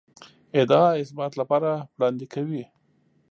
ادعا اثبات لپاره وړاندې کوي.